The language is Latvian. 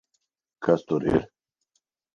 Kas tur ir?